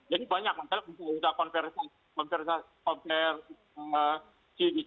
jadi banyak masalah untuk kita kontrol